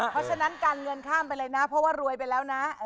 เพราะฉะนั้นการเงินข้ามไปเลยนะเพราะว่ารวยไปแล้วนะ